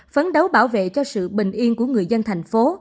phấn đấu bảo vệ cho sự bình yên của người dân tp